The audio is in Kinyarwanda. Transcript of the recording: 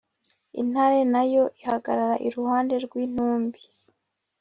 intare na yo ihagarara iruhande rw’intumbi